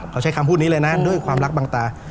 เขาใช้คำพูดนี้เลยนะด้วยความรักบางตา